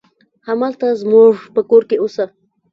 همالته زموږ په کور کې اوسه.